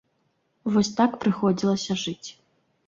Вось так прыходзілася жыць.